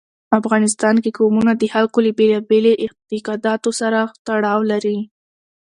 افغانستان کې قومونه د خلکو له بېلابېلو اعتقاداتو سره تړاو لري.